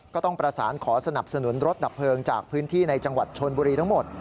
ก็ต้องประสานขอสนับสนุนรถดับเพลิงจากพื้นที่ในจังหวัดชนบุรีทั้งหมด